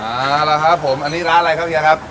เอาละครับผมอันนี้ร้านอะไรครับเฮียครับ